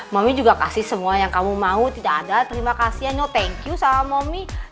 mami juga kasih semua yang kamu mau tidak ada terimakasih ya no thank you sama momi